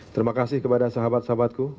terima kasih kepada sahabat sahabatku